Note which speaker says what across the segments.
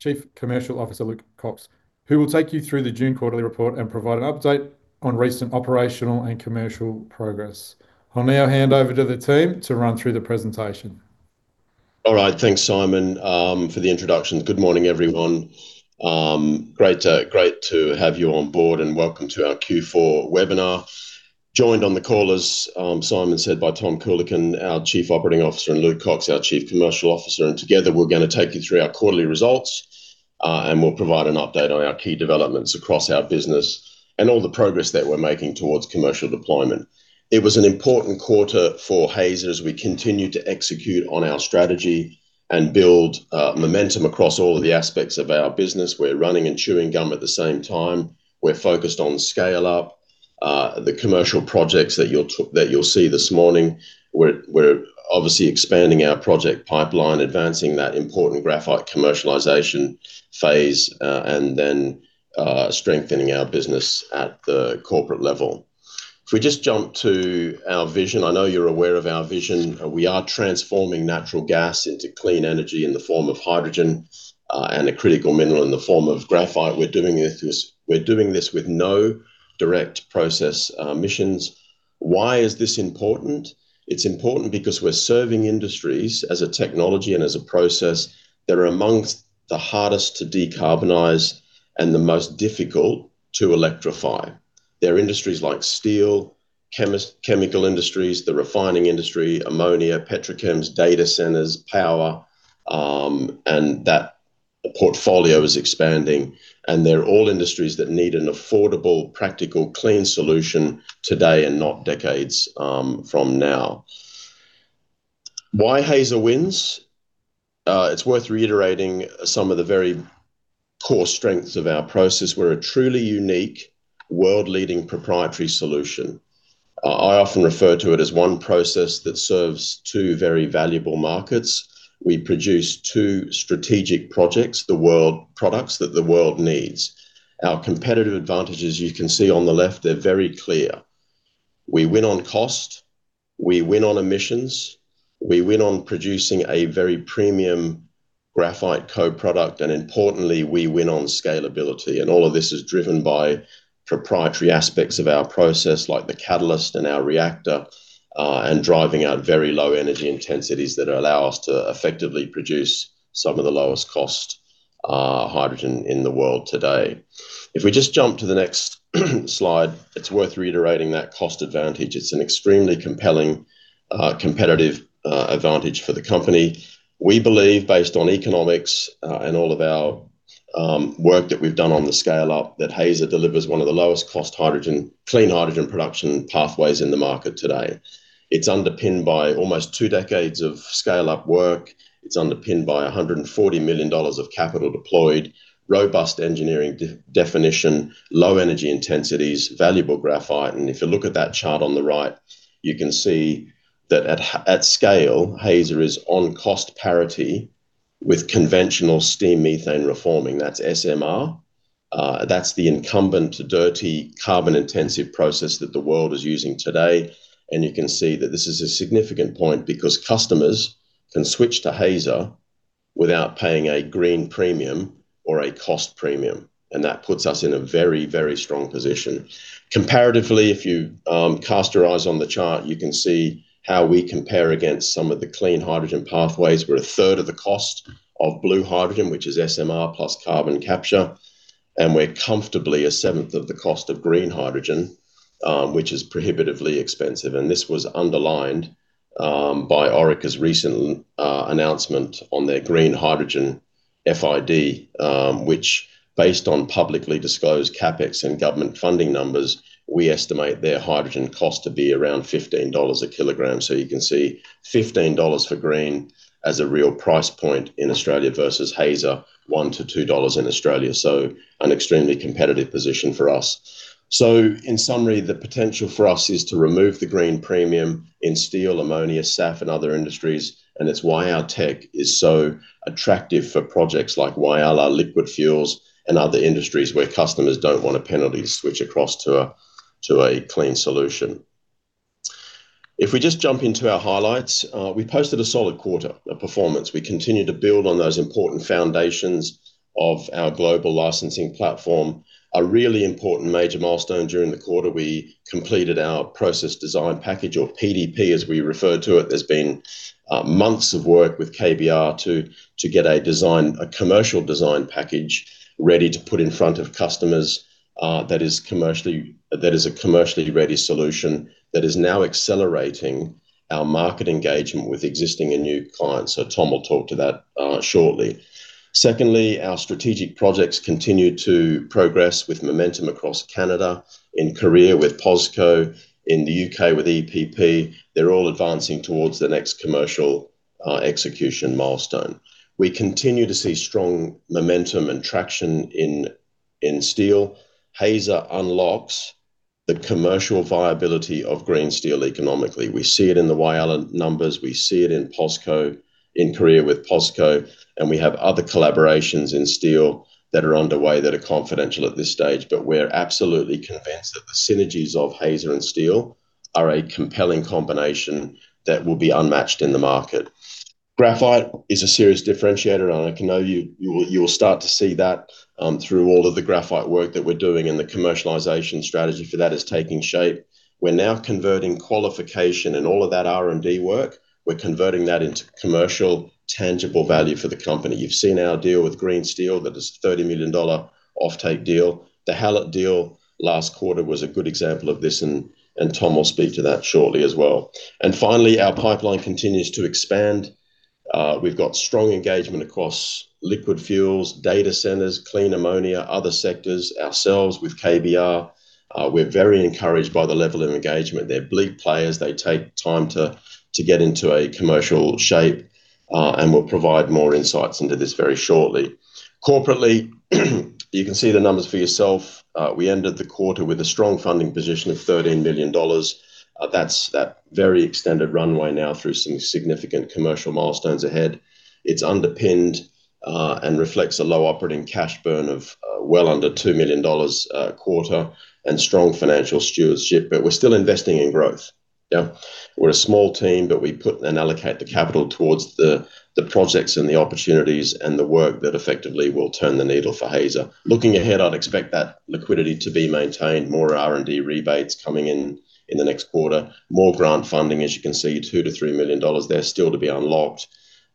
Speaker 1: Chief Commercial Officer, Luc Kox, who will take you through the June quarterly report and provide an update on recent operational and commercial progress. I'll now hand over to the team to run through the presentation.
Speaker 2: All right. Thanks, Simon, for the introduction. Good morning, everyone. Great to have you on board, and welcome to our Q4 webinar. Joined on the call, as Simon said, by Tom Coolican, our Chief Operating Officer, and Luc Kox, our Chief Commercial Officer. Together, we're going to take you through our quarterly results, and we'll provide an update on our key developments across our business and all the progress that we're making towards commercial deployment. It was an important quarter for Hazer as we continue to execute on our strategy and build momentum across all of the aspects of our business. We're running and chewing gum at the same time. We're focused on scale-up, the commercial projects that you'll see this morning. We're obviously expanding our project pipeline, advancing that important graphite commercialization phase, and then strengthening our business at the corporate level. If we just jump to our vision. I know you're aware of our vision. We are transforming natural gas into clean energy in the form of hydrogen, and a critical mineral in the form of graphite. We're doing this with no direct process emissions. Why is this important? It's important because we're serving industries as a technology and as a process that are amongst the hardest to decarbonize and the most difficult to electrify. They're industries like steel, chemical industries, the refining industry, ammonia, petrochems, data centers, power, that portfolio is expanding, and they're all industries that need an affordable, practical, clean solution today and not decades from now. Why Hazer wins? It's worth reiterating some of the very core strengths of our process. We're a truly unique, world-leading proprietary solution. I often refer to it as one process that serves two very valuable markets. We produce two strategic projects, the products that the world needs. Our competitive advantages, you can see on the left, they're very clear. We win on cost, we win on emissions, we win on producing a very premium graphite co-product, and importantly, we win on scalability. All of this is driven by proprietary aspects of our process like the catalyst and our reactor, and driving our very low energy intensities that allow us to effectively produce some of the lowest cost hydrogen in the world today. If we just jump to the next slide, it's worth reiterating that cost advantage. It's an extremely compelling, competitive advantage for the company. We believe, based on economics, and all of our work that we've done on the scale-up, that Hazer delivers one of the lowest cost clean hydrogen production pathways in the market today. It's underpinned by almost two decades of scale-up work. It's underpinned by 140 million dollars of capital deployed, robust engineering definition, low energy intensities, valuable graphite. If you look at that chart on the right, you can see that at scale, Hazer is on cost parity with conventional steam methane reforming. That's SMR. That's the incumbent dirty carbon-intensive process that the world is using today. You can see that this is a significant point because customers can switch to Hazer without paying a green premium or a cost premium. That puts us in a very strong position. Comparatively, if you cast your eyes on the chart, you can see how we compare against some of the clean hydrogen pathways. We're a third of the cost of blue hydrogen, which is SMR plus carbon capture, and we're comfortably a seventh of the cost of green hydrogen, which is prohibitively expensive. This was underlined by Aurecon's recent announcement on their green hydrogen FID, which based on publicly disclosed CapEx and government funding numbers, we estimate their hydrogen cost to be around AUD 15/kg. You can see AUD 15 for green as a real price point in Australia versus Hazer, AUD 1-AUD 2 in Australia. An extremely competitive position for us. In summary, the potential for us is to remove the green premium in steel, ammonia, SAF, and other industries, and it's why our tech is so attractive for projects like Whyalla liquid fuels and other industries where customers don't want a penalty to switch across to a clean solution. If we just jump into our highlights. We posted a solid quarter of performance. We continue to build on those important foundations of our global licensing platform. A really important major milestone during the quarter, we completed our process design package or PDP as we refer to it. There's been months of work with KBR to get a commercial design package ready to put in front of customers that is a commercially ready solution that is now accelerating our market engagement with existing and new clients. Tom will talk to that shortly. Secondly, our strategic projects continue to progress with momentum across Canada, in Korea with POSCO, in the U.K. with EPP. They're all advancing towards the next commercial execution milestone. We continue to see strong momentum and traction in steel. Hazer unlocks the commercial viability of green steel economically. We see it in the Whyalla numbers, we see it in Korea with POSCO, and we have other collaborations in steel that are underway that are confidential at this stage. We're absolutely convinced that the synergies of Hazer and steel are a compelling combination that will be unmatched in the market. Graphite is a serious differentiator, and I know you will start to see that through all of the graphite work that we're doing, and the commercialization strategy for that is taking shape. We're now converting qualification and all of that R&D work, we're converting that into commercial, tangible value for the company. You've seen our deal with Green Steel, that is an AUD 30 million offtake deal. The Hallett deal last quarter was a good example of this, and Tom will speak to that shortly as well. Finally, our pipeline continues to expand. We've got strong engagement across liquid fuels, data centers, clean ammonia, other sectors ourselves with KBR. We're very encouraged by the level of engagement. They're big players. They take time to get into a commercial shape. We'll provide more insights into this very shortly. Corporately, you can see the numbers for yourself. We ended the quarter with a strong funding position of 13 million dollars. That's that very extended runway now through some significant commercial milestones ahead. It's underpinned, and reflects a low operating cash burn of well under 2 million dollars a quarter and strong financial stewardship. We're still investing in growth. We're a small team, but we put and allocate the capital towards the projects and the opportunities and the work that effectively will turn the needle for Hazer. Looking ahead, I'd expect that liquidity to be maintained, more R&D rebates coming in in the next quarter, more grant funding, as you can see, 2 million-3 million dollars there still to be unlocked.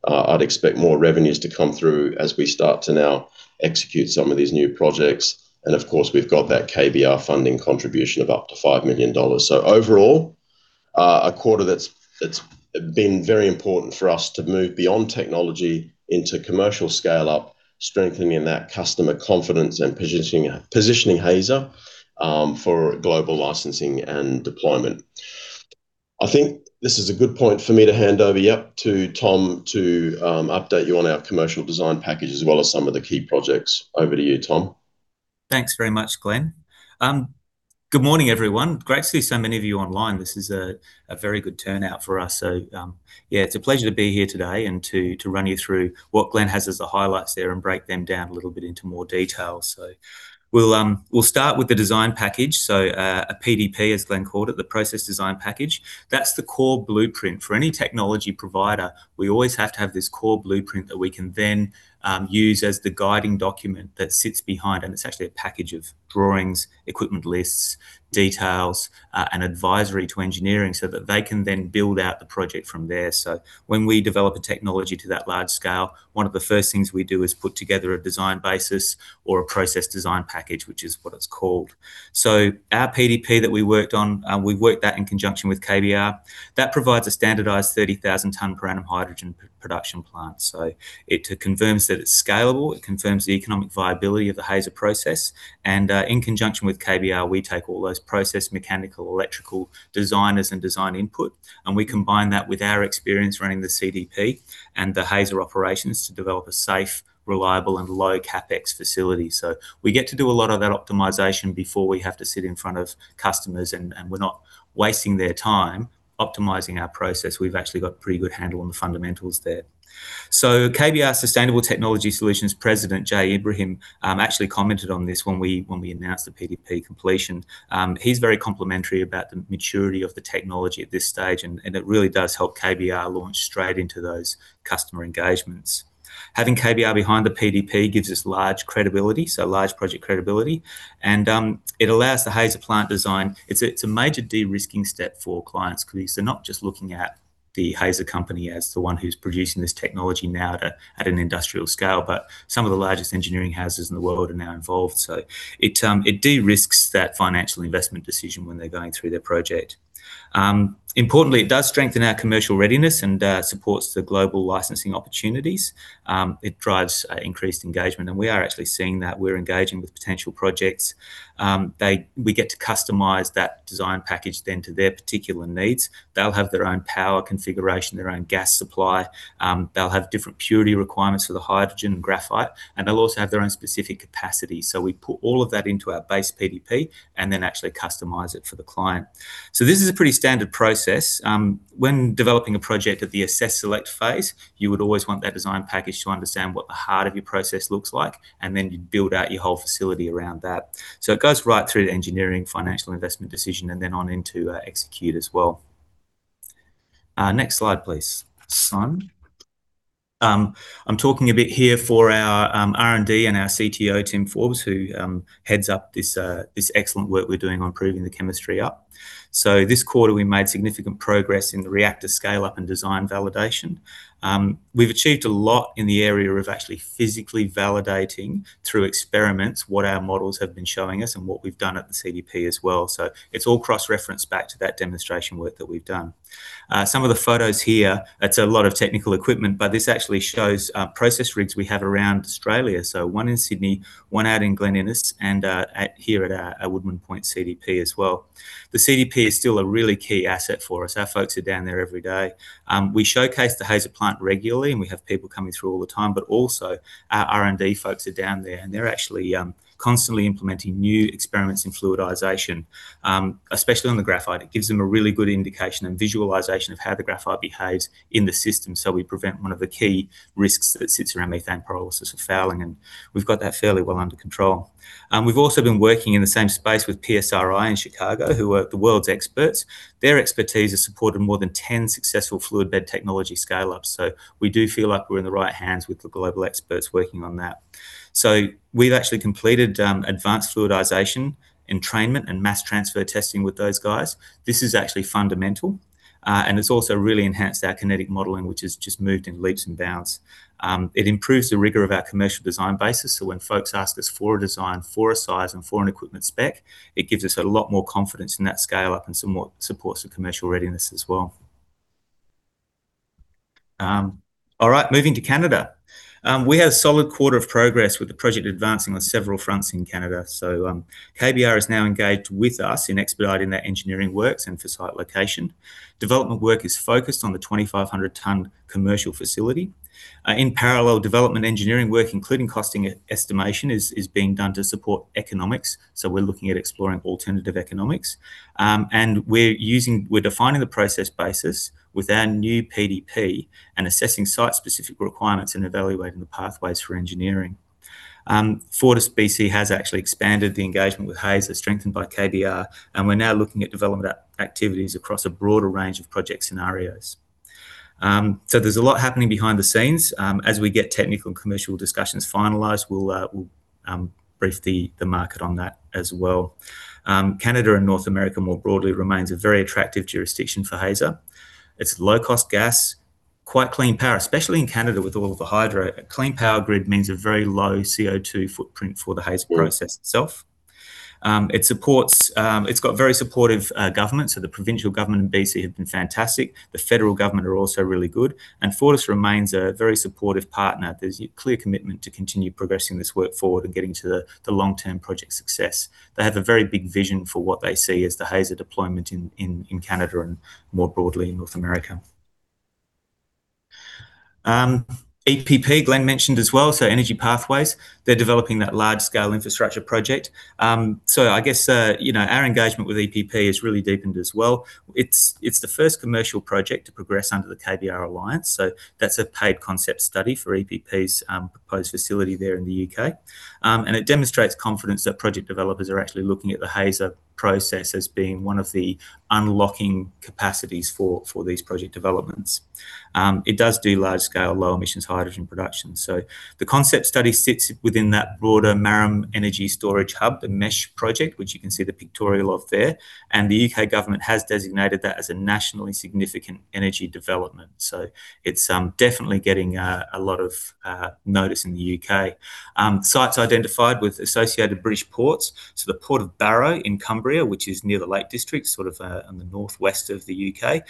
Speaker 2: I'd expect more revenues to come through as we start to now execute some of these new projects. Of course, we've got that KBR funding contribution of up to 5 million dollars. Overall, a quarter that's been very important for us to move beyond technology into commercial scale-up, strengthening that customer confidence and positioning Hazer for global licensing and deployment. I think this is a good point for me to hand over, yep, to Tom to update you on our commercial design package as well as some of the key projects. Over to you, Tom.
Speaker 3: Thanks very much, Glenn. Good morning, everyone. Great to see so many of you online. This is a very good turnout for us. Yeah, it's a pleasure to be here today and to run you through what Glenn has as the highlights there and break them down a little bit into more detail. We'll start with the design package. A PDP, as Glenn called it, the process design package. That's the core blueprint. For any technology provider, we always have to have this core blueprint that we can then use as the guiding document that sits behind. It's actually a package of drawings, equipment lists, details, and advisory to engineering so that they can then build out the project from there. When we develop a technology to that large scale, one of the first things we do is put together a design basis or a process design package, which is what it's called. Our PDP that we worked on, we worked that in conjunction with KBR. That provides a standardized 30,000 tons per annum hydrogen production plant. It confirms that it's scalable. It confirms the economic viability of the Hazer process. In conjunction with KBR, we take all those process mechanical, electrical designers and design input, and we combine that with our experience running the CDP and the Hazer operations to develop a safe, reliable and low CapEx facility. We get to do a lot of that optimization before we have to sit in front of customers, and we're not wasting their time optimizing our process. We've actually got a pretty good handle on the fundamentals there. KBR Sustainable Technology Solutions President Jay Ibrahim actually commented on this when we announced the PDP completion. He's very complimentary about the maturity of the technology at this stage, and it really does help KBR launch straight into those customer engagements. Having KBR behind the PDP gives us large credibility, so large project credibility, and it allows. It's a major de-risking step for clients because they're not just looking at the Hazer company as the one who's producing this technology now at an industrial scale, but some of the largest engineering houses in the world are now involved. It de-risks that financial investment decision when they're going through their project. Importantly, it does strengthen our commercial readiness and supports the global licensing opportunities. It drives increased engagement, and we are actually seeing that. We're engaging with potential projects. We get to customize that design package then to their particular needs. They'll have their own power configuration, their own gas supply. They'll have different purity requirements for the hydrogen and graphite, and they'll also have their own specific capacity. We put all of that into our base PDP and then actually customize it for the client. This is a pretty standard process. When developing a project at the assess select phase, you would always want that design package to understand what the heart of your process looks like, and then you'd build out your whole facility around that. It goes right through to engineering, financial investment decision, and then on into execute as well. Next slide, please. I'm talking a bit here for our R&D and our CTO, Tim Forbes, who heads up this excellent work we're doing on proving the chemistry up. This quarter, we made significant progress in the reactor scale-up and design validation. We've achieved a lot in the area of actually physically validating through experiments what our models have been showing us and what we've done at the CDP as well. It's all cross-referenced back to that demonstration work that we've done. Some of the photos here, that's a lot of technical equipment, but this actually shows process rigs we have around Australia. One in Sydney, one out in Glen Innes, and here at our Woodman Point CDP as well. The CDP is still a really key asset for us. Our folks are down there every day. We showcase the Hazer plant regularly, and we have people coming through all the time, but also our R&D folks are down there, and they're actually constantly implementing new experiments in fluidization, especially on the graphite. It gives them a really good indication and visualization of how the graphite behaves in the system. We prevent one of the key risks that sits around methane pyrolysis and fouling, and we've got that fairly well under control. We've also been working in the same space with PSRI in Chicago, who are the world's experts. Their expertise has supported more than 10 successful fluid bed technology scale-ups. We do feel like we're in the right hands with the global experts working on that. We've actually completed advanced fluidization, entrainment, and mass transfer testing with those guys. This is actually fundamental, it's also really enhanced our kinetic modeling, which has just moved in leaps and bounds. It improves the rigor of our commercial design basis. When folks ask us for a design, for a size, and for an equipment spec, it gives us a lot more confidence in that scale-up and somewhat supports the commercial readiness as well. All right. Moving to Canada. We had a solid quarter of progress with the project advancing on several fronts in Canada. KBR is now engaged with us in expediting that engineering works and for site location. Development work is focused on the 2,500 ton commercial facility. In parallel, development engineering work, including costing estimation, is being done to support economics. We're looking at exploring alternative economics. We're defining the process basis with our new PDP and assessing site-specific requirements and evaluating the pathways for engineering. FortisBC has actually expanded the engagement with Hazer, strengthened by KBR, and we're now looking at development activities across a broader range of project scenarios. There's a lot happening behind the scenes. We get technical and commercial discussions finalized, we'll brief the market on that as well. Canada and North America more broadly remains a very attractive jurisdiction for Hazer. It's low-cost gas, quite clean power, especially in Canada with all of the hydro. A clean power grid means a very low CO2 footprint for the Hazer process itself. It's got very supportive government. The provincial government in B.C. have been fantastic. The federal government are also really good, and Fortis remains a very supportive partner. There's a clear commitment to continue progressing this work forward and getting to the long-term project success. They have a very big vision for what they see as the Hazer deployment in Canada and more broadly in North America. EPP, Glenn mentioned as well. EnergyPathways, they're developing that large-scale infrastructure project. I guess our engagement with EPP has really deepened as well. It's the first commercial project to progress under the KBR alliance. That's a paid concept study for EnergyPathways' proposed facility there in the U.K. It demonstrates confidence that project developers are actually looking at the Hazer process as being one of the unlocking capacities for these project developments. It does do large-scale, low-emissions hydrogen production. The concept study sits within that broader Marram Energy Storage Hub, the MESH project, which you can see the pictorial of there. The U.K. government has designated that as a nationally significant energy development. It's definitely getting a lot of notice in the U.K. Site's identified with Associated British Ports. The Port of Barrow in Cumbria, which is near the Lake District, on the northwest of the U.K.,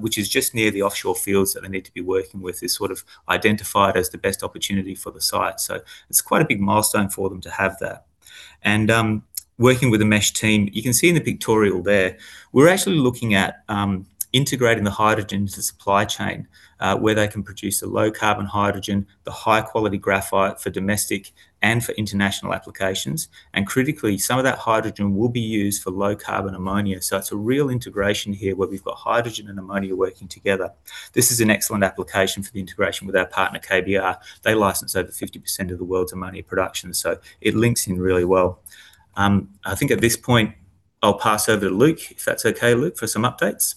Speaker 3: which is just near the offshore fields that they need to be working with, is identified as the best opportunity for the site. It's quite a big milestone for them to have that. Working with the MESH team, you can see in the pictorial there, we're actually looking at integrating the hydrogen into the supply chain. Where they can produce the low-carbon hydrogen, the high-quality graphite for domestic and for international applications. Critically, some of that hydrogen will be used for low-carbon ammonia. It's a real integration here where we've got hydrogen and ammonia working together. This is an excellent application for the integration with our partner, KBR. They license over 50% of the world's ammonia production. It links in really well. I think at this point, I'll pass over to Luc, if that's okay, Luc, for some updates.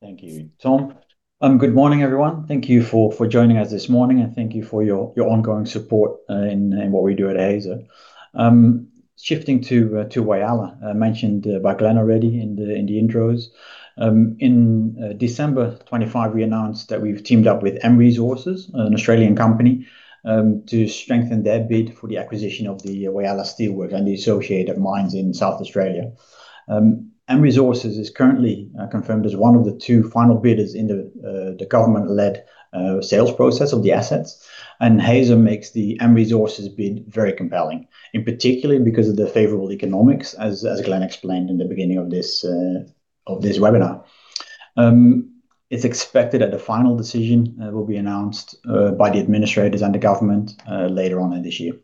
Speaker 4: Thank you, Tom. Good morning, everyone. Thank you for joining us this morning, and thank you for your ongoing support in what we do at Hazer. Shifting to Whyalla, mentioned by Glenn already in the intros. In December 2025, we announced that we've teamed up with M Resources, an Australian company, to strengthen their bid for the acquisition of the Whyalla steelwork and the associated mines in South Australia. M Resources is currently confirmed as one of the two final bidders in the government-led sales process of the assets. Hazer makes the M Resources bid very compelling, in particular because of the favorable economics, as Glenn explained in the beginning of this webinar. It's expected that the final decision will be announced by the administrators and the government later on in this year.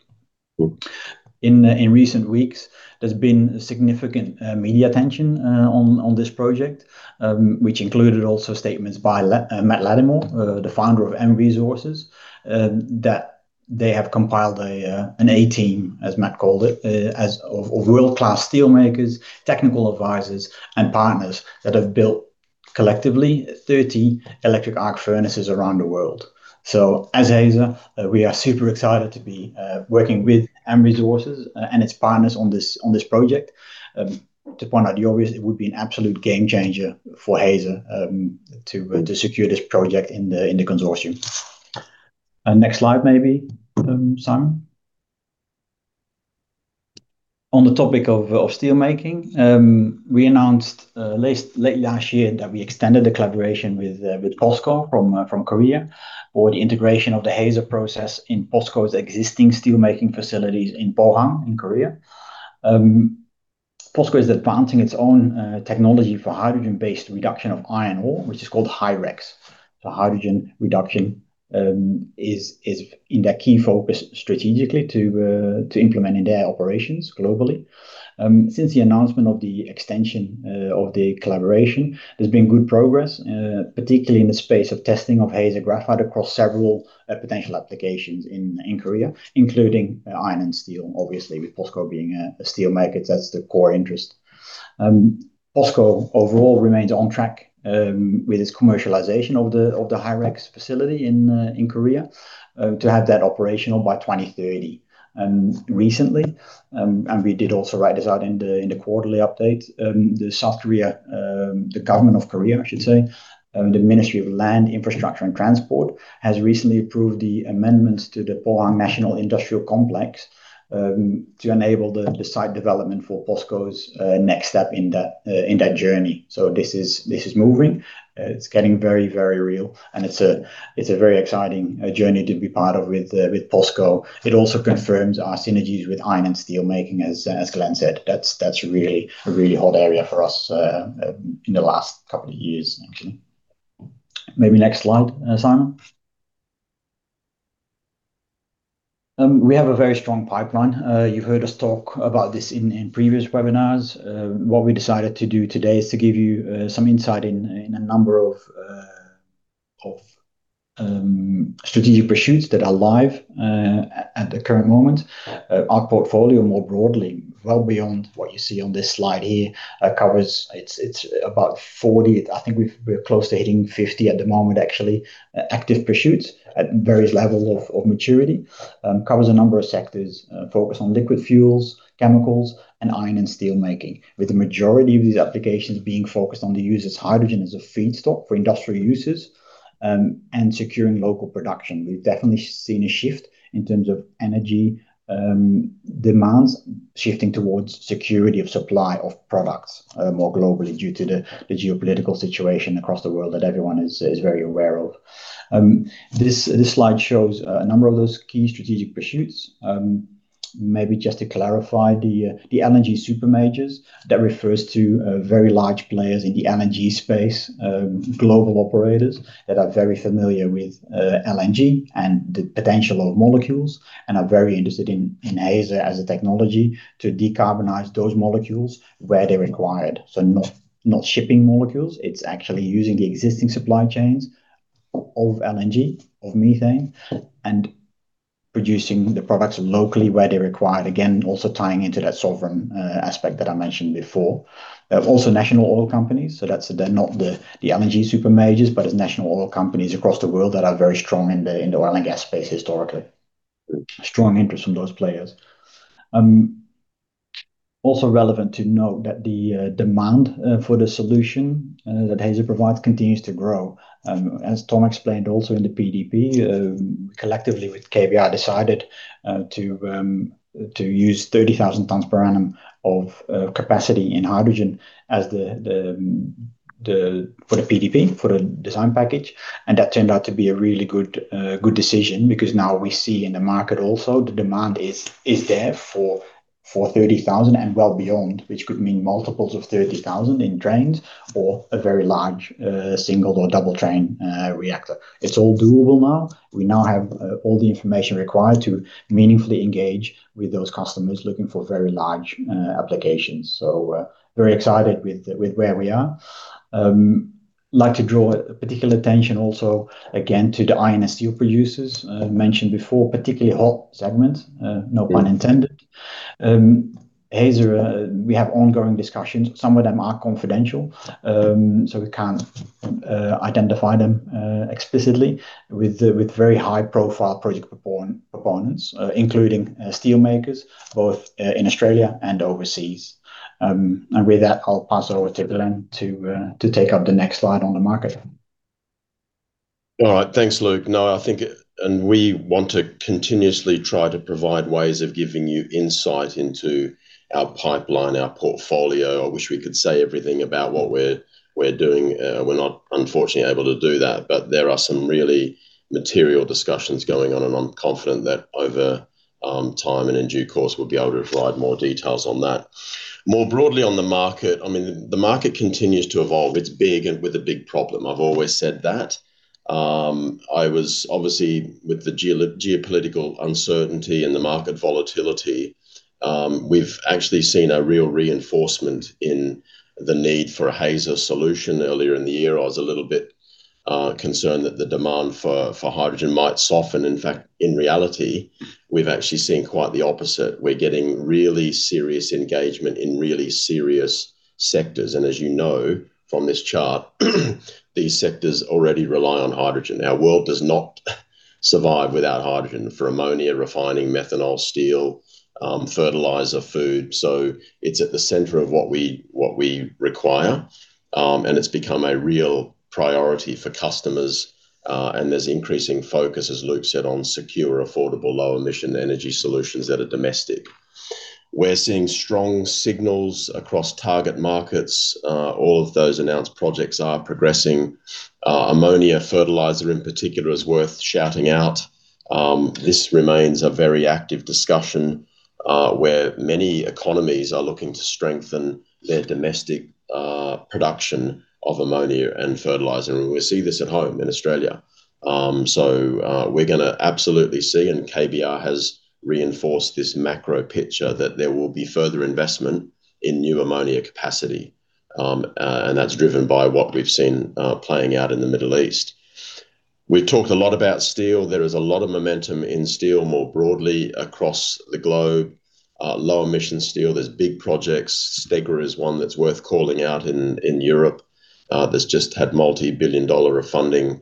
Speaker 4: In recent weeks, there's been significant media attention on this project, which included also statements by Matt Latimore, the founder of M Resources, that they have compiled an A team, as Matt called it, of world-class steelmakers, technical advisors, and partners that have built collectively 30 electric arc furnaces around the world. As Hazer, we are super excited to be working with M Resources and its partners on this project. To point out the obvious, it would be an absolute game changer for Hazer to secure this project in the consortium. Next slide maybe, Simon. On the topic of steelmaking, we announced late last year that we extended the collaboration with POSCO from Korea for the integration of the Hazer Process in POSCO's existing steelmaking facilities in Pohang in Korea. POSCO is advancing its own technology for hydrogen-based reduction of iron ore, which is called HyREX. Hydrogen reduction is in their key focus strategically to implement in their operations globally. Since the announcement of the extension of the collaboration, there's been good progress, particularly in the space of testing of Hazer Graphite across several potential applications in Korea, including iron and steel. Obviously, with POSCO being a steelmaker, that's the core interest. POSCO overall remains on track with its commercialization of the HyREX facility in Korea to have that operational by 2030. Recently, and we did also write this out in the quarterly update, the government of Korea, I should say, the Ministry of Land, Infrastructure, and Transport, has recently approved the amendments to the Pohang National Industrial Complex to enable the site development for POSCO's next step in that journey. This is moving. It's getting very, very real, and it's a very exciting journey to be part of with POSCO. It also confirms our synergies with iron and steel making, as Glenn said. That's a really hot area for us in the last couple of years, actually. Next slide, Simon. We have a very strong pipeline. You've heard us talk about this in previous webinars. What we decided to do today is to give you some insight in a number of strategic pursuits that are live at the current moment. Our portfolio, more broadly, well beyond what you see on this slide here, covers about 40, I think we're close to hitting 50 at the moment, actually, active pursuits at various levels of maturity. It covers a number of sectors, focused on liquid fuels, chemicals, and iron and steel making, with the majority of these applications being focused on the use of hydrogen as a feedstock for industrial uses, and securing local production. We've definitely seen a shift in terms of energy demands shifting towards security of supply of products more globally due to the geopolitical situation across the world that everyone is very aware of. This slide shows a number of those key strategic pursuits. Just to clarify, the LNG super majors, that refers to very large players in the LNG space, global operators that are very familiar with LNG and the potential of molecules and are very interested in Hazer as a technology to decarbonize those molecules where they're required. Not shipping molecules, it's actually using the existing supply chains of LNG, of methane, and producing the products locally where they're required. Again, also tying into that sovereign aspect that I mentioned before. National oil companies, so they're not the LNG super majors, but as national oil companies across the world that are very strong in the oil and gas space historically. Strong interest from those players. Also relevant to note that the demand for the solution that Hazer provides continues to grow. As Tom explained also in the PDP, collectively with KBR decided to use 30,000 tons per annum of capacity in hydrogen for the PDP, for the design package. That turned out to be a really good decision because now we see in the market also the demand is there for 30,000 tons and well beyond, which could mean multiples of 30,000 tons in trains or a very large single or double train reactor. It's all doable now. We now have all the information required to meaningfully engage with those customers looking for very large applications. Very excited with where we are. Like to draw particular attention also, again, to the iron and steel producers. Mentioned before, particularly hot segment, no pun intended. Hazer, we have ongoing discussions. Some of them are confidential, so we can't identify them explicitly with very high-profile project proponents, including steel makers both in Australia and overseas. With that, I'll pass it over to Glenn to take up the next slide on the market.
Speaker 2: All right, thanks, Luc. I think we want to continuously try to provide ways of giving you insight into our pipeline, our portfolio. I wish we could say everything about what we're doing. We're not, unfortunately, able to do that. There are some really material discussions going on, and I'm confident that over time and in due course, we'll be able to provide more details on that. More broadly on the market, the market continues to evolve. It's big and with a big problem. I've always said that. Obviously, with the geopolitical uncertainty and the market volatility, we've actually seen a real reinforcement in the need for a Hazer solution. Earlier in the year, I was a little bit concerned that the demand for hydrogen might soften. In fact, in reality, we've actually seen quite the opposite. We're getting really serious engagement in really serious sectors. As you know from this chart, these sectors already rely on hydrogen. Our world does not survive without hydrogen for ammonia refining, methanol, steel, fertilizer, food. It's at the center of what we require. It's become a real priority for customers, and there's increasing focus, as Luc said, on secure, affordable, low-emission energy solutions that are domestic. We're seeing strong signals across target markets. All of those announced projects are progressing. Ammonia fertilizer, in particular, is worth shouting out. This remains a very active discussion, where many economies are looking to strengthen their domestic production of ammonia and fertilizer. We see this at home in Australia. We're going to absolutely see, and KBR has reinforced this macro picture, that there will be further investment in new ammonia capacity. That's driven by what we've seen playing out in the Middle East. We've talked a lot about steel. There is a lot of momentum in steel more broadly across the globe. Low-emission steel, there's big projects. Stegra is one that's worth calling out in Europe, that's just had multi-billion AUD of funding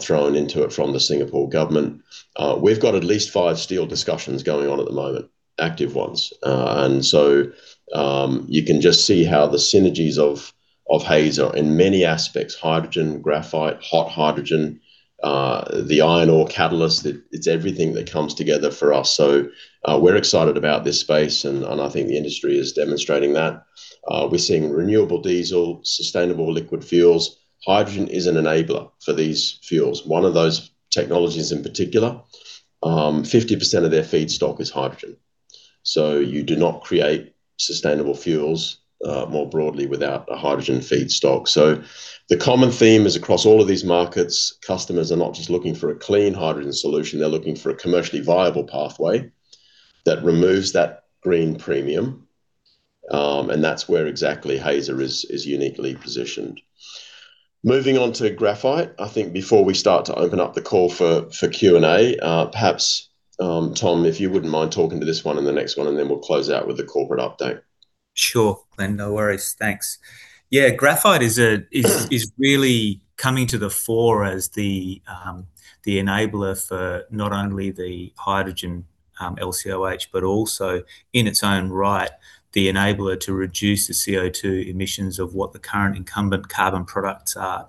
Speaker 2: thrown into it from the Singapore government. We've got at least five steel discussions going on at the moment, active ones. You can just see how the synergies of Hazer in many aspects, hydrogen, graphite, hot hydrogen, the iron ore catalyst, it's everything that comes together for us. We're excited about this space, and I think the industry is demonstrating that. We're seeing renewable diesel, sustainable liquid fuels. Hydrogen is an enabler for these fuels. One of those technologies in particular, 50% of their feedstock is hydrogen. You do not create sustainable fuels more broadly without a hydrogen feedstock. The common theme is across all of these markets, customers are not just looking for a clean hydrogen solution, they're looking for a commercially viable pathway that removes that green premium, that's where exactly Hazer is uniquely positioned. Moving on to graphite, I think before we start to open up the call for Q&A, perhaps, Tom, if you wouldn't mind talking to this one and the next one, and then we'll close out with the corporate update.
Speaker 3: Sure. Glenn, no worries. Thanks. Graphite is really coming to the fore as the enabler for not only the hydrogen LCOH, but also in its own right, the enabler to reduce the CO2 emissions of what the current incumbent carbon products are.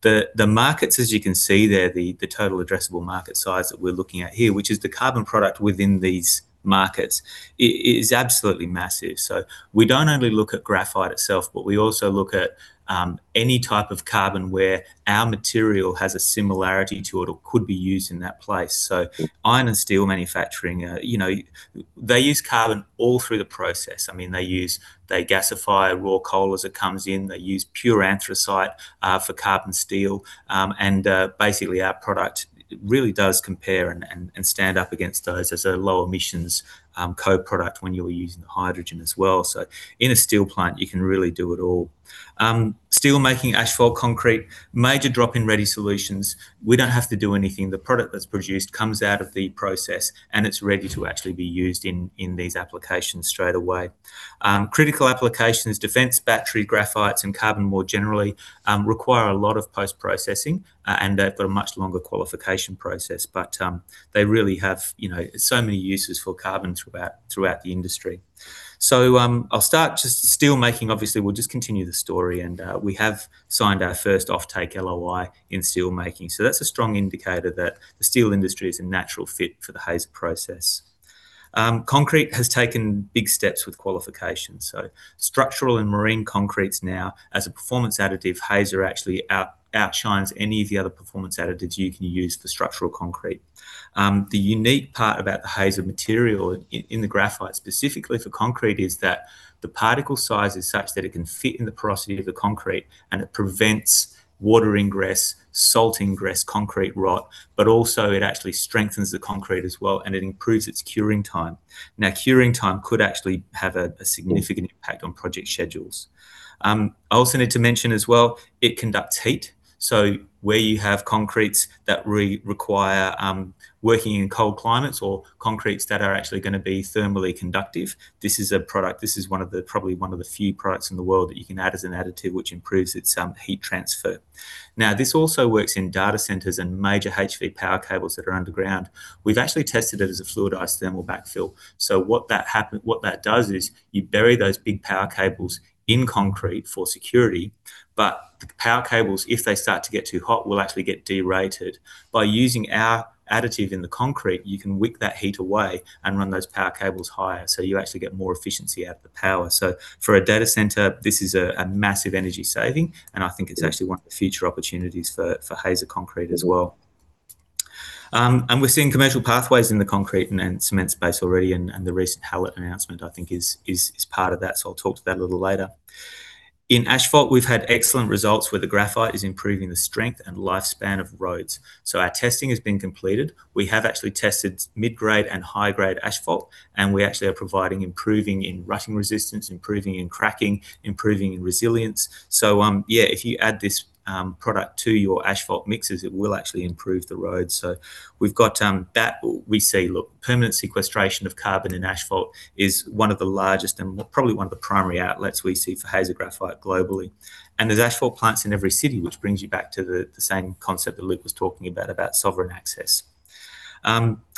Speaker 3: The markets, as you can see there, the total addressable market size that we're looking at here, which is the carbon product within these markets, is absolutely massive. We don't only look at graphite itself, but we also look at any type of carbon where our material has a similarity to it or could be used in that place. Iron and steel manufacturing, they use carbon all through the process. They gasify raw coal as it comes in. They use pure anthracite for carbon steel. Basically our product really does compare and stand up against those as a low emissions co-product when you're using the hydrogen as well. In a steel plant, you can really do it all. Steelmaking, asphalt, concrete, major drop-in ready solutions. We don't have to do anything. The product that's produced comes out of the process, and it's ready to actually be used in these applications straight away. Critical applications, defense, battery, graphites, and carbon more generally, require a lot of post-processing, and they've got a much longer qualification process. They really have so many uses for carbon throughout the industry. I'll start just steelmaking, obviously. We'll just continue the story and we have signed our first off-take LOI in steelmaking. That's a strong indicator that the steel industry is a natural fit for the Hazer process. Concrete has taken big steps with qualifications. Structural and marine concretes now, as a performance additive, Hazer actually outshines any of the other performance additives you can use for structural concrete. The unique part about the Hazer material in the graphite, specifically for concrete, is that the particle size is such that it can fit in the porosity of the concrete, and it prevents water ingress, salt ingress, concrete rot, but also it actually strengthens the concrete as well, and it improves its curing time. Curing time could actually have a significant impact on project schedules. I also need to mention as well, it conducts heat. Where you have concretes that require working in cold climates or concretes that are actually going to be thermally conductive, this is probably one of the few products in the world that you can add as an additive which improves its heat transfer. This also works in data centers and major HV power cables that are underground. We've actually tested it as a fluidized thermal backfill. What that does is you bury those big power cables in concrete for security, but the power cables, if they start to get too hot, will actually get de-rated. By using our additive in the concrete, you can wick that heat away and run those power cables higher, so you actually get more efficiency out of the power. For a data center, this is a massive energy saving, and I think it's actually one of the future opportunities for Hazer concrete as well. We're seeing commercial pathways in the concrete and cement space already, and the recent pellet announcement, I think is part of that. I'll talk to that a little later. In asphalt, we've had excellent results where the graphite is improving the strength and lifespan of roads. Our testing has been completed. We have actually tested mid-grade and high-grade asphalt, we actually are providing improving in rutting resistance, improving in cracking, improving in resilience. If you add this product to your asphalt mixes, it will actually improve the road. We've got that. We see permanent sequestration of carbon in asphalt is one of the largest and probably one of the primary outlets we see for Hazer Graphite globally. There's asphalt plants in every city, which brings you back to the same concept that Luc was talking about sovereign access.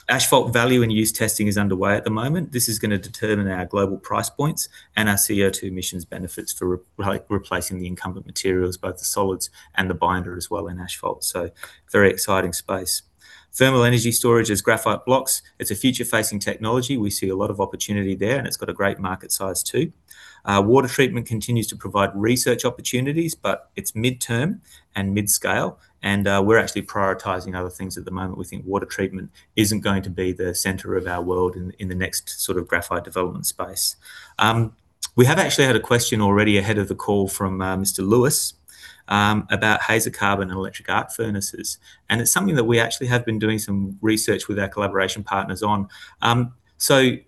Speaker 3: Asphalt value and use testing is underway at the moment. This is going to determine our global price points and our CO2 emissions benefits for replacing the incumbent materials, both the solids and the binder as well in asphalt. Very exciting space. Thermal energy storage as graphite blocks, it's a future-facing technology. We see a lot of opportunity there, it's got a great market size too. Water treatment continues to provide research opportunities, it's midterm and mid-scale, we're actually prioritizing other things at the moment. We think water treatment isn't going to be the center of our world in the next graphite development space. We have actually had a question already ahead of the call from Mr. Lewis about Hazer Graphite and electric arc furnaces, it's something that we actually have been doing some research with our collaboration partners on.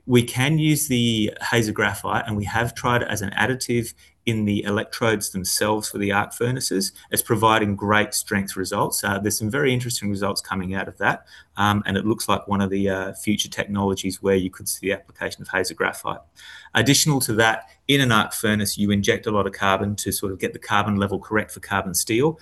Speaker 3: We can use the Hazer Graphite, we have tried it as an additive in the electrodes themselves for the arc furnaces. It's providing great strength results. There's some very interesting results coming out of that. It looks like one of the future technologies where you could see application of Hazer Graphite. Additional to that, in an arc furnace, you inject a lot of carbon to get the carbon level correct for carbon steel,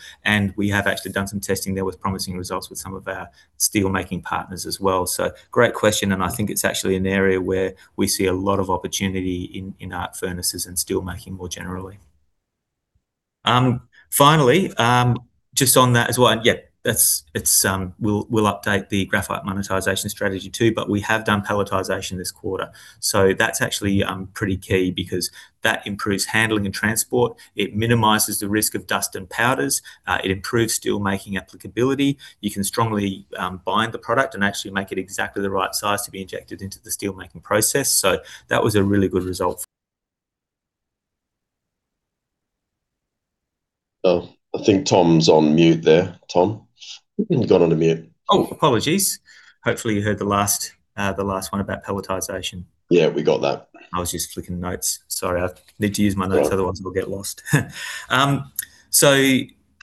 Speaker 3: we have actually done some testing there with promising results with some of our steelmaking partners as well. Great question, I think it's actually an area where we see a lot of opportunity in arc furnaces and steelmaking more generally. Finally, just on that as well. We'll update the graphite monetization strategy too, we have done pelletisation this quarter. That's actually pretty key because that improves handling and transport. It minimizes the risk of dust and powders. It improves steelmaking applicability. You can strongly bind the product and actually make it exactly the right size to be injected into the steelmaking process. That was a really good result.
Speaker 2: Oh, I think Tom's on mute there. Tom, you've gone on a mute.
Speaker 3: Oh, apologies. Hopefully, you heard the last one about pelletisation.
Speaker 2: Yeah, we got that.
Speaker 3: I was just flicking notes. Sorry, I need to use my notes, otherwise we'll get lost.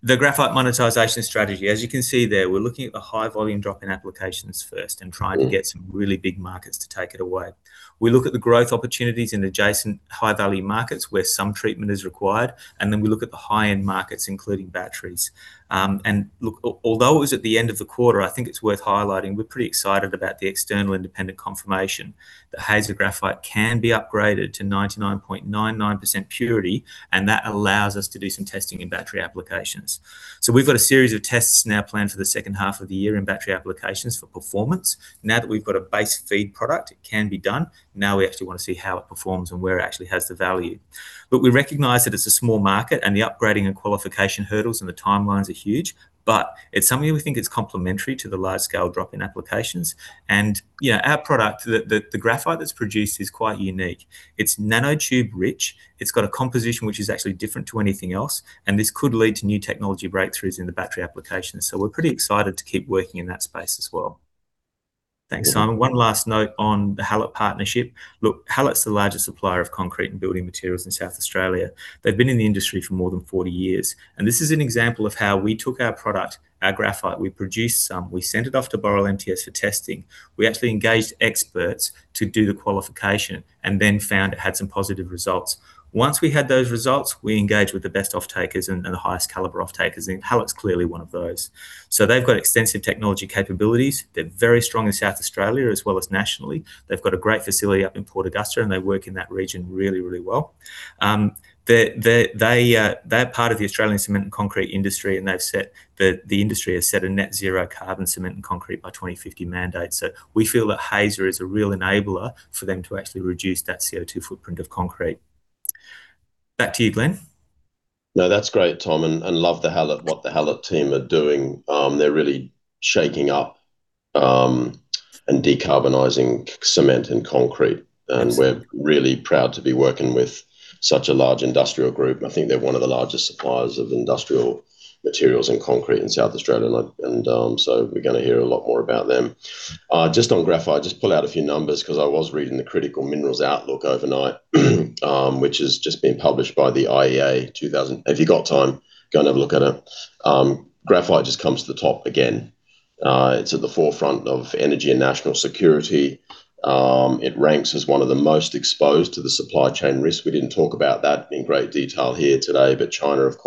Speaker 3: The graphite monetization strategy, as you can see there, we're looking at the high volume drop-in applications first and trying to get some really big markets to take it away. We look at the growth opportunities in adjacent high-value markets where some treatment is required, then we look at the high-end markets, including batteries. Look, although it was at the end of the quarter, I think it's worth highlighting, we're pretty excited about the external independent confirmation that Hazer Graphite can be upgraded to 99.99% purity, that allows us to do some testing in battery applications. We've got a series of tests now planned for the second half of the year in battery applications for performance. Now that we've got a base feed product, it can be done. We actually want to see how it performs and where it actually has the value. We recognize that it's a small market and the upgrading and qualification hurdles and the timelines are huge, but it's something that we think it's complementary to the large-scale drop-in applications. Our product, the graphite that's produced is quite unique. It's nanotube-rich. It's got a composition which is actually different to anything else, and this could lead to new technology breakthroughs in the battery applications. We're pretty excited to keep working in that space as well. Thanks, Simon. One last note on the Hallett partnership. Hallett's the largest supplier of concrete and building materials in South Australia. They've been in the industry for more than 40 years. This is an example of how we took our product, our graphite. We produced some, we sent it off to Boral MTS for testing. We actually engaged experts to do the qualification and then found it had some positive results. Once we had those results, we engaged with the best off-takers and the highest caliber off-takers, and Hallett's clearly one of those. They've got extensive technology capabilities. They're very strong in South Australia as well as nationally. They've got a great facility up in Port Augusta, and they work in that region really, really well. They're part of the Australian cement and concrete industry, and the industry has set a net zero carbon cement and concrete by 2050 mandate. We feel that Hazer is a real enabler for them to actually reduce that CO2 footprint of concrete. Back to you, Glenn.
Speaker 2: That's great, Tom, love what the Hallett team are doing. They're really shaking up and decarbonizing cement and concrete.
Speaker 3: Absolutely.
Speaker 2: We're really proud to be working with such a large industrial group. I think they're one of the largest suppliers of industrial materials and concrete in South Australia. We're going to hear a lot more about them. Just on graphite, just pull out a few numbers because I was reading the "Critical Minerals Outlook" overnight, which has just been published by the IEA 2000. If you've got time, go and have a look at it. Graphite just comes to the top again. It's at the forefront of energy and national security. It ranks as one of the most exposed to the supply chain risk. We didn't talk about that in great detail here today, but China, of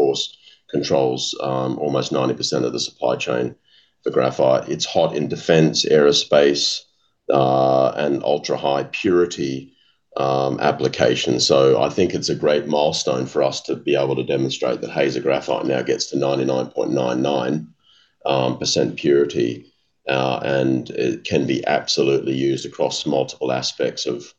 Speaker 2: course, controls almost 90% of the supply chain for graphite. It's hot in defense, aerospace, and ultra-high purity applications. I think it's a great milestone for us to be able to demonstrate that Hazer Graphite now gets to 99.99% purity. It can be absolutely used across multiple aspects of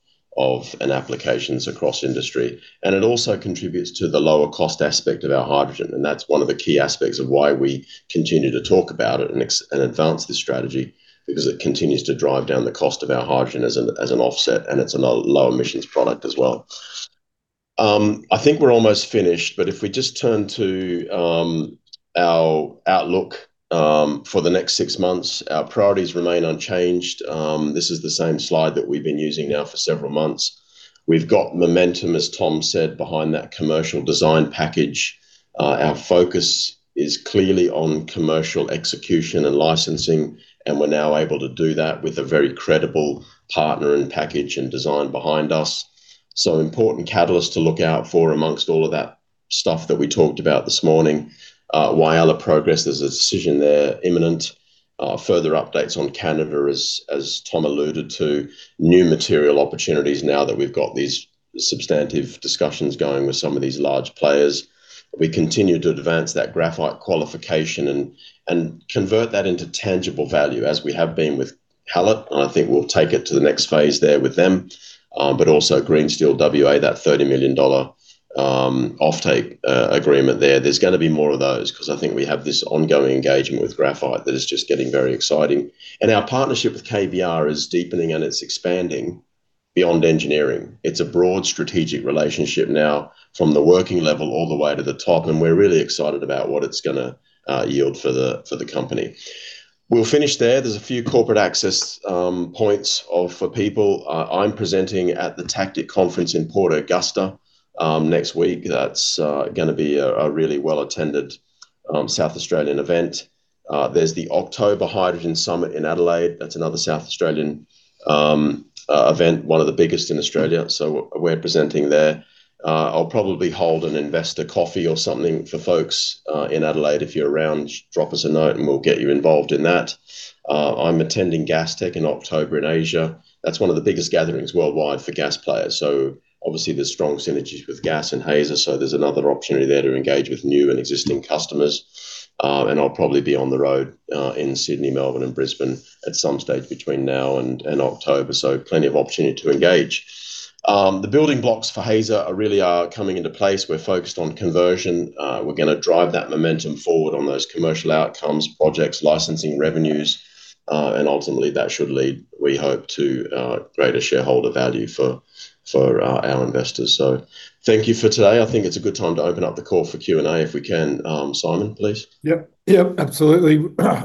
Speaker 2: an applications across industry. It also contributes to the lower cost aspect of our hydrogen, and that's one of the key aspects of why we continue to talk about it and advance this strategy, because it continues to drive down the cost of our hydrogen as an offset, and it's a low emissions product as well. I think we're almost finished, but if we just turn to our outlook for the next six months. Our priorities remain unchanged. This is the same slide that we've been using now for several months. We've got momentum, as Tom said, behind that commercial design package. Our focus is clearly on commercial execution and licensing, and we're now able to do that with a very credible partner and package and design behind us. So important catalyst to look out for amongst all of that stuff that we talked about this morning. Whyalla progress, there's a decision there imminent. Further updates on Canada, as Tom alluded to. New material opportunities now that we've got these substantive discussions going with some of these large players. We continue to advance that graphite qualification and convert that into tangible value as we have been with Hallett, and I think we'll take it to the next phase there with them. Also Green Steel WA, that AUD 30 million off-take agreement there. There's going to be more of those because I think we have this ongoing engagement with graphite that is just getting very exciting. Our partnership with KBR is deepening and it's expanding beyond engineering. It's a broad strategic relationship now from the working level all the way to the top, and we're really excited about what it's going to yield for the company. We'll finish there. There's a few corporate access points for people. I'm presenting at the TACTIC Conference in Port Augusta next week. That's going to be a really well-attended South Australian event. There's the October Hydrogen Summit in Adelaide. That's another South Australian event, one of the biggest in Australia. So we're presenting there. I'll probably hold an investor coffee or something for folks in Adelaide. If you're around, just drop us a note and we'll get you involved in that. I'm attending Gastech in October in Asia. That's one of the biggest gatherings worldwide for gas players. There's strong synergies with gas and Hazer, so there's another opportunity there to engage with new and existing customers. I'll probably be on the road in Sydney, Melbourne, and Brisbane at some stage between now and October, so plenty of opportunity to engage. The building blocks for Hazer really are coming into place. We're focused on conversion. We're going to drive that momentum forward on those commercial outcomes, projects, licensing revenues. Ultimately that should lead, we hope, to greater shareholder value for our investors. So thank you for today. I think it's a good time to open up the call for Q&A if we can. Simon, please.
Speaker 1: Yep. Absolutely.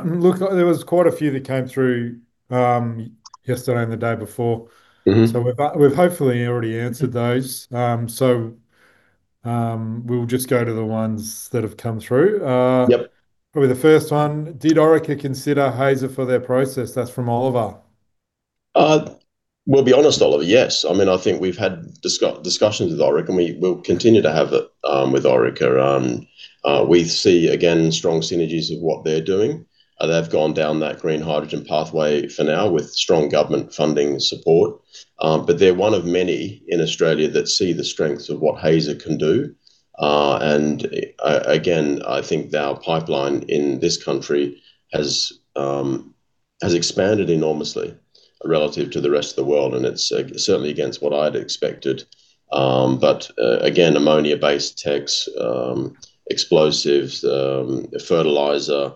Speaker 1: Look, there was quite a few that came through yesterday and the day before. We've hopefully already answered those. We'll just go to the ones that have come through.
Speaker 2: Yep.
Speaker 1: Probably the first one, "Did Orka consider Hazer for their process?" That's from Oliver.
Speaker 2: We'll be honest, Oliver, yes. I think we've had discussions with Orica and we will continue to have it with Orica. We see, again, strong synergies of what they're doing. They've gone down that green hydrogen pathway for now with strong government funding support. They're one of many in Australia that see the strengths of what Hazer can do. Again, I think our pipeline in this country has expanded enormously relative to the rest of the world, and it's certainly against what I'd expected. Again, ammonia-based techs, explosives, fertilizer,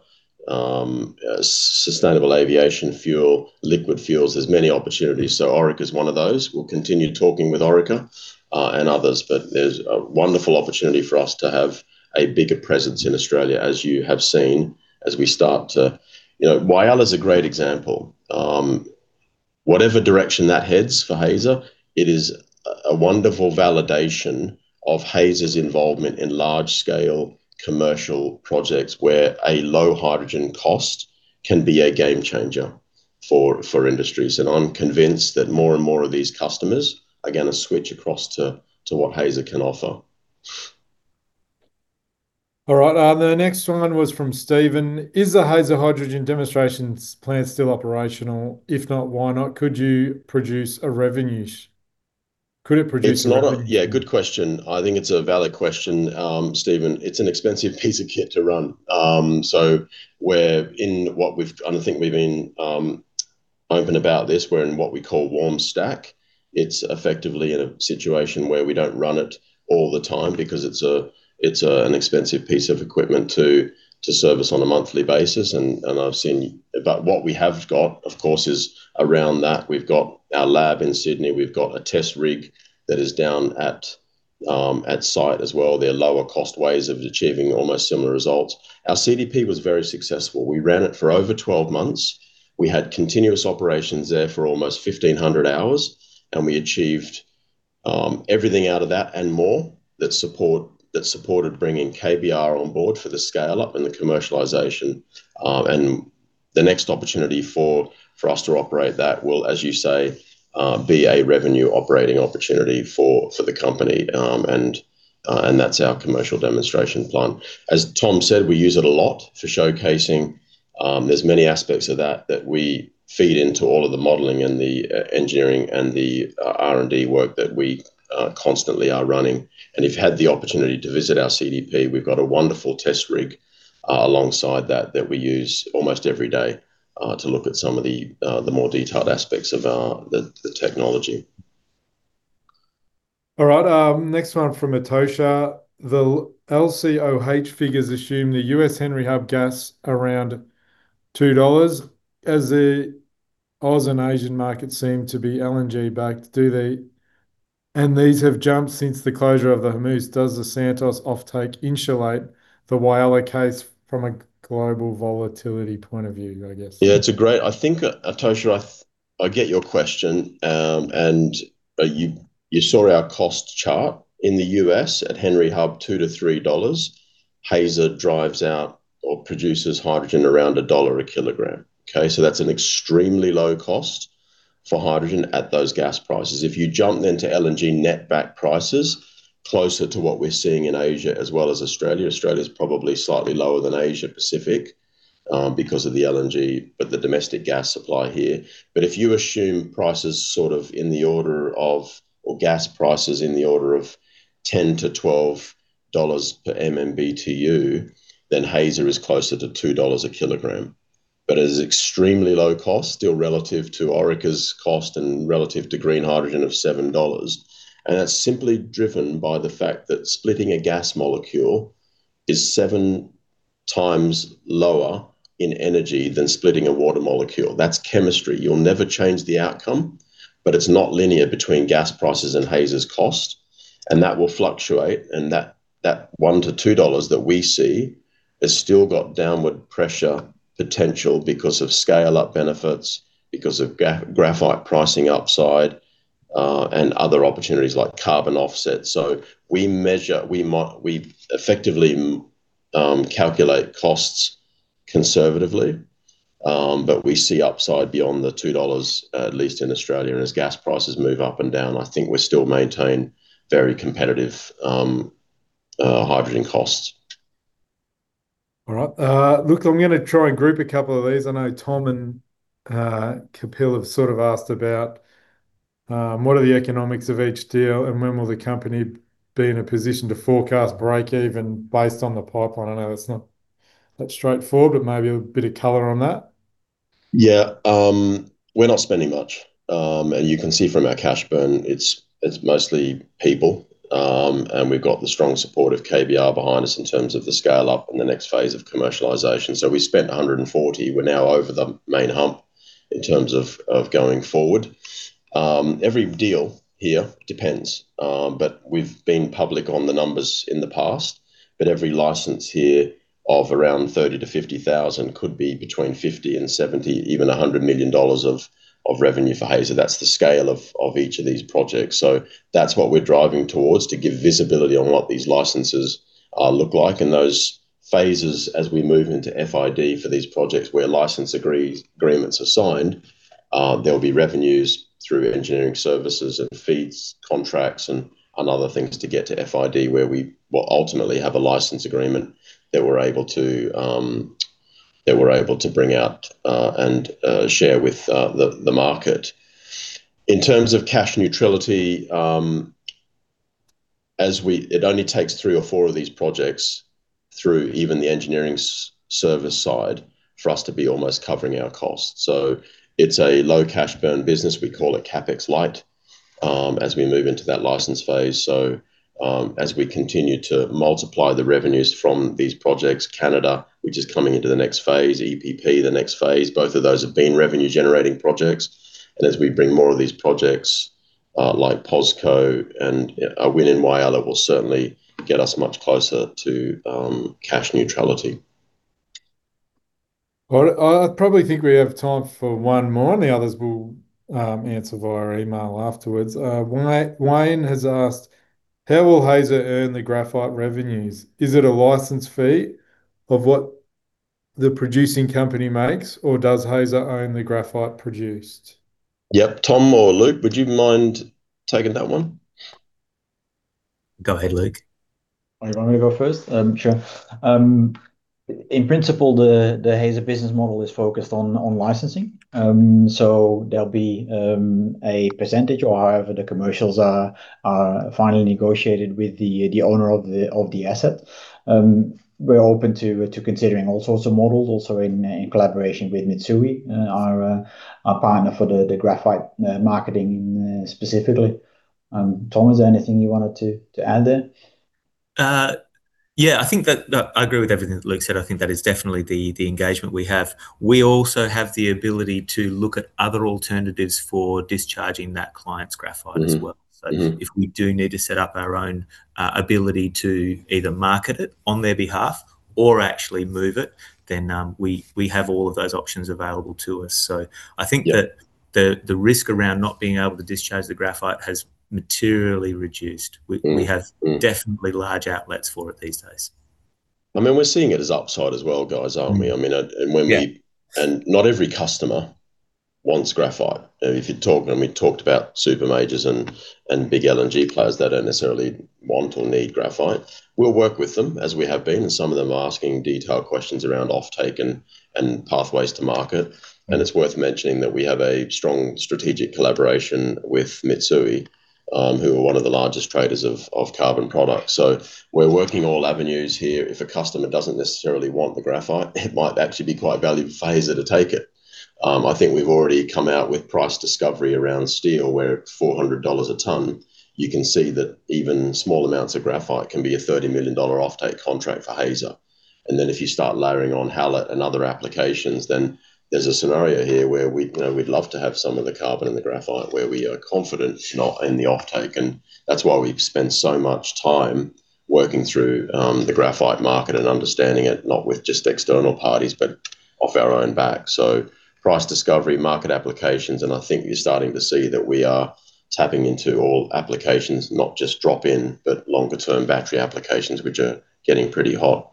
Speaker 2: sustainable aviation fuel, liquid fuels. There's many opportunities, Orica's one of those. We'll continue talking with Orica, and others, there's a wonderful opportunity for us to have a bigger presence in Australia, as you have seen, as we start to Whyalla is a great example. Whatever direction that heads for Hazer, it is a wonderful validation of Hazer's involvement in large scale commercial projects where a low hydrogen cost can be a game changer for industries. I'm convinced that more and more of these customers are going to switch across to what Hazer can offer.
Speaker 1: All right. The next one was from Steven. "Is the Hazer hydrogen demonstrations plant still operational? If not, why not? Could you produce a revenue?" Could it produce a revenue?
Speaker 2: Yeah, good question. I think it's a valid question, Steven. It's an expensive piece of kit to run. I think we've been open about this, we're in what we call warm stack. It's effectively in a situation where we don't run it all the time because it's an expensive piece of equipment to service on a monthly basis. What we have got, of course, is around that. We've got our lab in Sydney. We've got a test rig that is down at site as well. There are lower cost ways of achieving almost similar results. Our CDP was very successful. We ran it for over 12 months. We had continuous operations there for almost 1,500 hours, we achieved everything out of that and more that supported bringing KBR on board for the scale-up and the commercialization. The next opportunity for us to operate that will, as you say, be a revenue operating opportunity for the company. That's our commercial demonstration plant. As Tom said, we use it a lot for showcasing. There's many aspects of that that we feed into all of the modeling and the engineering and the R&D work that we constantly are running. If you had the opportunity to visit our CDP, we've got a wonderful test rig alongside that that we use almost every day, to look at some of the more detailed aspects of the technology.
Speaker 1: All right. Next one from Atocha. "The LCOH figures assume the U.S. Henry Hub gas around $2. As the Oz and Asian markets seem to be LNG backed, and these have jumped since the closure of the Hormuz, does the Santos offtake insulate the Whyalla case from a global volatility point of view?" I guess.
Speaker 2: Yeah. Atocha, I get your question. You saw our cost chart in the U.S. at Henry Hub, $2-$3. Hazer drives out or produces hydrogen around AUD 1/kg. Okay? That's an extremely low cost for hydrogen at those gas prices. If you jump then to LNG net back prices, closer to what we're seeing in Asia as well as Australia. Australia's probably slightly lower than Asia Pacific, because of the LNG, but the domestic gas supply here. If you assume gas prices in the order of $10-$12/MMBtu, then Hazer is closer to 2 dollars/kg. It is extremely low cost still relative to Orica's cost and relative to green hydrogen of 7 dollars, and that's simply driven by the fact that splitting a gas molecule is seven times lower in energy than splitting a water molecule. That's chemistry. You'll never change the outcome, but it's not linear between gas prices and Hazer's cost, and that will fluctuate, and that 1 to 2 dollars that we see has still got downward pressure potential because of scale-up benefits, because of graphite pricing upside, and other opportunities like carbon offset. We effectively calculate costs conservatively, but we see upside beyond the 2 dollars, at least in Australia. As gas prices move up and down, I think we still maintain very competitive hydrogen costs.
Speaker 1: All right. Look, I'm going to try and group a couple of these. I know Tom and Kapil have sort of asked about, "What are the economics of each deal, and when will the company be in a position to forecast break even based on the pipeline?" I know that's not that straightforward, but maybe a bit of color on that.
Speaker 2: Yeah. We're not spending much. You can see from our cash burn, it's mostly people. We've got the strong support of KBR behind us in terms of the scale-up and the next phase of commercialization. We spent 140. We're now over the main hump in terms of going forward. Every deal here depends, but we've been public on the numbers in the past. Every license here of around 30,000-50,000 could be between 50 million and 70 million, even 100 million dollars of revenue for Hazer. That's the scale of each of these projects. That's what we're driving towards to give visibility on what these licenses look like and those phases as we move into FID for these projects where license agreements are signed, there'll be revenues through engineering services and FEEDs, contracts, and other things to get to FID, where we will ultimately have a license agreement that we're able to bring out and share with the market. In terms of cash neutrality, it only takes three or four of these projects through even the engineering service side for us to be almost covering our costs. It's a low cash burn business, we call it CapEx light, as we move into that license phase. As we continue to multiply the revenues from these projects, Canada, which is coming into the next phase, EPP, the next phase, both of those have been revenue-generating projects. As we bring more of these projects, like POSCO and our win in Whyalla will certainly get us much closer to cash neutrality.
Speaker 1: I probably think we have time for one more, the others we'll answer via email afterwards. Wayne has asked, "How will Hazer earn the graphite revenues? Is it a license fee of what the producing company makes, or does Hazer own the graphite produced?
Speaker 2: Yep. Tom or Luc would you mind taking that one?
Speaker 3: Go ahead, Luc.
Speaker 4: You want me to go first? Sure. In principle, the Hazer business model is focused on licensing. They'll be a percentage or however the commercials are finally negotiated with the owner of the asset. We're open to considering all sorts of models also in collaboration with Mitsui, our partner for the graphite marketing specifically. Tom, is there anything you wanted to add there?
Speaker 3: Yeah. I think that I agree with everything that Luc said. I think that is definitely the engagement we have. We also have the ability to look at other alternatives for discharging that client's graphite as well. If we do need to set up our own ability to either market it on their behalf or actually move it, we have all of those options available to us. I think that the risk around not being able to discharge the graphite has materially reduced. We have definitely large outlets for it these days.
Speaker 2: I mean, we're seeing it as upside as well, guys, aren't we?
Speaker 3: Yeah
Speaker 2: Not every customer wants graphite. I mean, if you're talking, we talked about super majors and big LNG players that don't necessarily want or need graphite. We'll work with them as we have been, and some of them are asking detailed questions around offtake and pathways to market. It's worth mentioning that we have a strong strategic collaboration with Mitsui, who are one of the largest traders of carbon products. We're working all avenues here. If a customer doesn't necessarily want the graphite, it might actually be quite valuable for Hazer to take it. I think we've already come out with price discovery around steel, where at AUD 400 /ton you can see that even small amounts of graphite can be a AUD 30 million offtake contract for Hazer. If you start layering on Hallett and other applications, there's a scenario here where we'd love to have some of the carbon and the graphite where we are confident in the offtake. That's why we've spent so much time working through the graphite market and understanding it, not with just external parties, but off our own back. Price discovery, market applications, and I think you're starting to see that we are tapping into all applications, not just drop-in, but longer-term battery applications, which are getting pretty hot.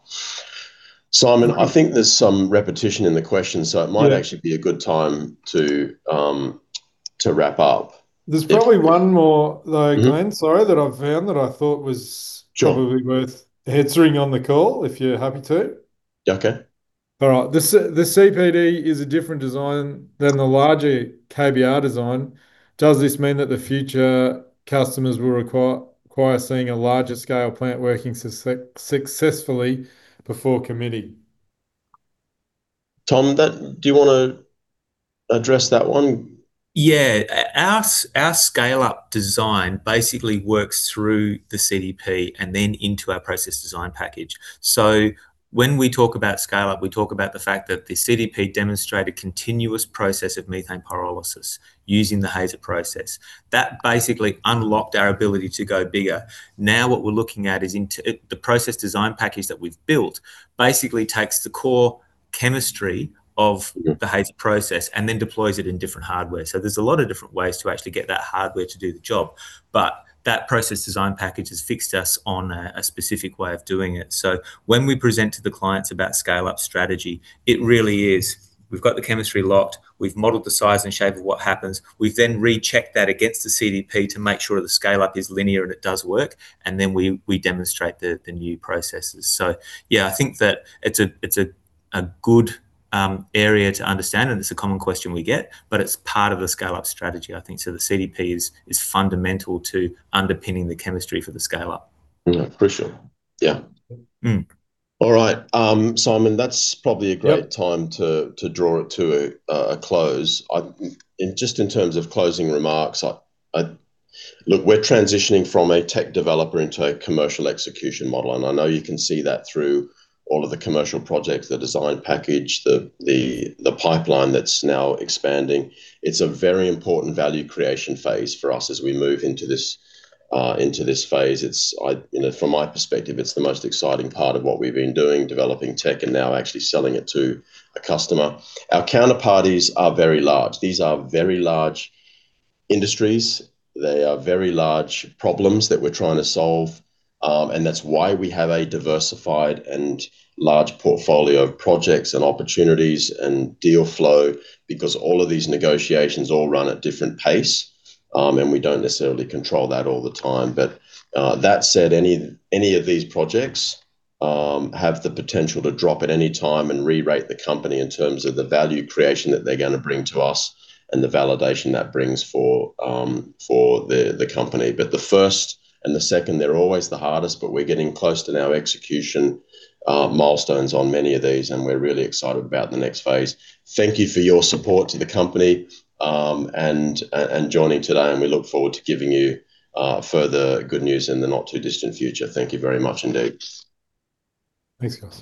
Speaker 2: Simon, I think there's some repetition in the questions.
Speaker 1: Yeah.
Speaker 2: It might actually be a good time to wrap up.
Speaker 1: There's probably one more though, Glenn, sorry, that I've found that I thought was.
Speaker 2: Sure.
Speaker 1: Probably worth answering on the call if you're happy to.
Speaker 2: Okay.
Speaker 1: All right. The CDP is a different design than the larger KBR design. Does this mean that the future customers will require seeing a larger scale plant working successfully before committing?
Speaker 2: Tom, do you want to address that one?
Speaker 3: Yeah. Our scale-up design basically works through the CDP and then into our process design package. When we talk about scale-up, we talk about the fact that the CDP demonstrate a continuous process of methane pyrolysis using the Hazer process. That basically unlocked our ability to go bigger. What we're looking at is the process design package that we've built basically takes the core chemistry of the Hazer process and then deploys it in different hardware. There's a lot of different ways to actually get that hardware to do the job. That process design package has fixed us on a specific way of doing it. When we present to the clients about scale-up strategy, it really is we've got the chemistry locked, we've modeled the size and shape of what happens. We've then rechecked that against the CDP to make sure the scale-up is linear and it does work, and then we demonstrate the new processes. Yeah, I think that it's a good area to understand and it's a common question we get, but it's part of the scale-up strategy, I think. The CDP is fundamental to underpinning the chemistry for the scale-up.
Speaker 2: Yeah. For sure. Yeah. All right. Simon, that's probably a great time to draw it to a close. Just in terms of closing remarks, look, we're transitioning from a tech developer into a commercial execution model. I know you can see that through all of the commercial projects, the design package, the pipeline that's now expanding. It's a very important value creation phase for us as we move into this phase. From my perspective, it's the most exciting part of what we've been doing, developing tech and now actually selling it to a customer. Our counterparties are very large. These are very large industries. They are very large problems that we're trying to solve. That's why we have a diversified and large portfolio of projects and opportunities and deal flow because all of these negotiations all run at different pace, and we don't necessarily control that all the time. That said, any of these projects have the potential to drop at any time and re-rate the company in terms of the value creation that they're going to bring to us and the validation that brings for the company. The first and the second, they're always the hardest, but we're getting close to now execution milestones on many of these, and we're really excited about the next phase. Thank you for your support to the company, and joining today, and we look forward to giving you further good news in the not-too-distant future. Thank you very much indeed.
Speaker 1: Thanks, guys.